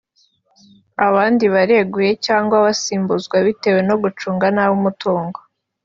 Abandi bareguye cyangwa basimbuzwa bitewe no gucunga nabi umutungo